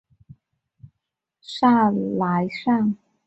萨莱尚。